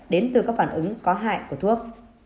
đến từ các phản ứng có hại của thuốc